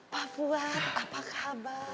pak fuad apa kabar